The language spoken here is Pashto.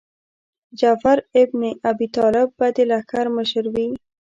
جعفر ابن ابي طالب به د لښکر مشر وي.